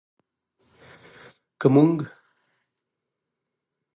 که موږ یې په سمه توګه زده کړو.